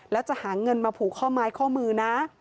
แล้วจะหาเงินมาผูกข้อไม้ข้อมือนะ